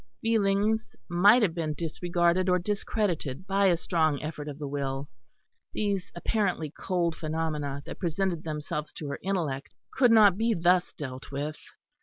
Feelings might have been disregarded or discredited by a strong effort of the will; these apparently cold phenomena that presented themselves to her intellect, could not be thus dealt with.